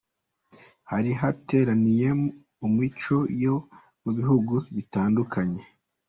Hari hateraniye imico yo mu bihugu bitandukanye.